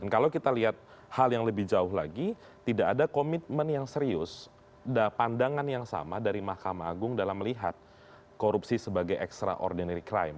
kalau kita lihat hal yang lebih jauh lagi tidak ada komitmen yang serius dan pandangan yang sama dari mahkamah agung dalam melihat korupsi sebagai extraordinary crime